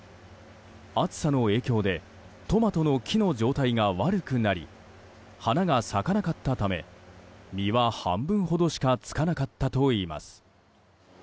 暑さの影響でトマトの木の状態が悪くなり花が咲かなかったため実は半分ほどしかつかなかったといいます。